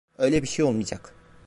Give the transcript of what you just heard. Öyle bir şey olmayacak.